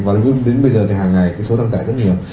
và luôn đến bây giờ thì hàng ngày cái số đăng tải rất nhiều